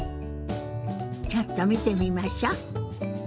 ちょっと見てみましょ。